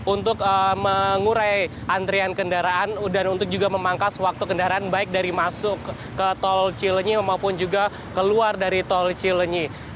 untuk mengurai antrian kendaraan dan untuk juga memangkas waktu kendaraan baik dari masuk ke tol cilenyi maupun juga keluar dari tol cilenyi